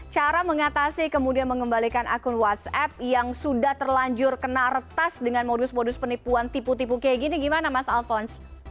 cara mengatasi kemudian mengembalikan akun whatsapp yang sudah terlanjur kena retas dengan modus modus penipuan tipu tipu kayak gini gimana mas alphonse